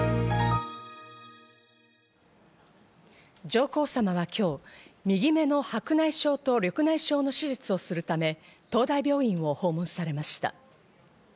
上皇さまは今日、右目の白内障と緑内障の手術をするため、東大病院を訪問されました。